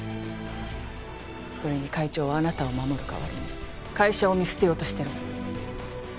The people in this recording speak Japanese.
それに会長はあなたを守る代わりに会社を見捨てようとしてるのよ。